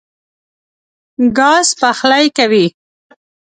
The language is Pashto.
ګاز پخلی کوي.